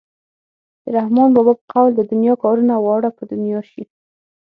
د رحمان بابا په قول د دنیا کارونه واړه په دنیا شي.